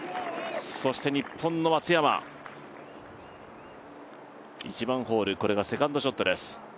そして日本の松山、１番ホール、これがセカンドショットです。